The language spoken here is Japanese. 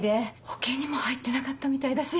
保険にも入ってなかったみたいだし。